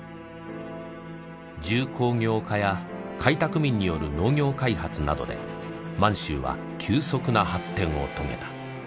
重工業化や開拓民による農業開発などで満州は急速な発展を遂げた。